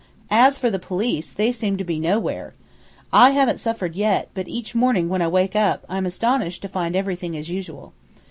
As for the police, they seem to be nowhere. I haven't suffered yet, but each morning when I wake up, I'm astonished to find everything as usual.